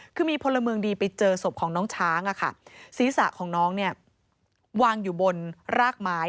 คือมีพลเมืองดีไปเจอศพของน้องช้างศีรษะของน้องเนี่ยวางอยู่บนรากไม้